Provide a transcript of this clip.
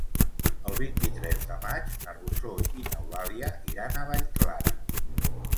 El vint-i-tres de maig na Rosó i n'Eulàlia iran a Vallclara.